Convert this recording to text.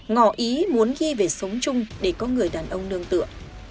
ngỏ ý muốn ghi về sống chung để có người đàn ông nương tựa